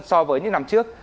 so với những năm trước